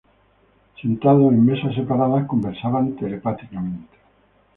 Sentados en mesas separadas, conversaban telepáticamente.